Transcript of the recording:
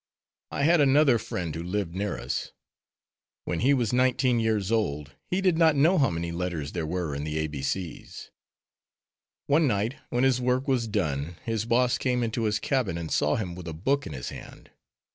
I had another friend who lived near us. When he was nineteen years old he did not know how many letters there were in the ABC's. One night, when his work was done, his boss came into his cabin and saw him with a book in his hand.